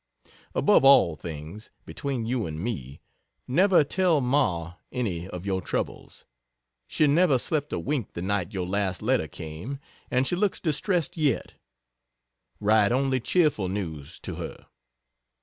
Above all things (between you and me) never tell Ma any of your troubles; she never slept a wink the night your last letter came, and she looks distressed yet. Write only cheerful news to her.